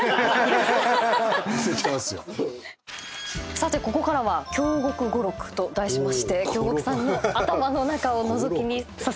さてここからは「京極語録」と題しまして京極さんの頭の中をのぞき見させていただきたいと。